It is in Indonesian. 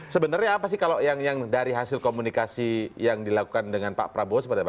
sebenarnya apa sih kalau yang dari hasil komunikasi yang dilakukan dengan pak prabowo seperti apa